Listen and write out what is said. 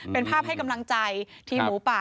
เป็นภาพให้กำลังใจทีมหมูป่า